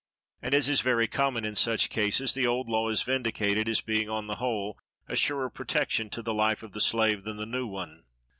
And, as is very common in such cases, the old law is vindicated, as being, on the whole, a surer protection to the life of the slave than the new one.